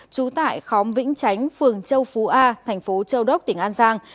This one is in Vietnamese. trú tại khóm vĩnh chánh phường châu phú a thành phố châu đốc tỉnh an giang